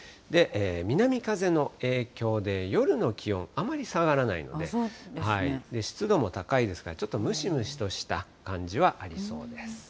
南風の影響で、夜の気温、あまり下がらないので、湿度も高いですから、ムシムシとした感じはありそうです。